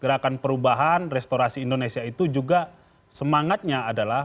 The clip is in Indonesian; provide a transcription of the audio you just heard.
gerakan perubahan restorasi indonesia itu juga semangatnya adalah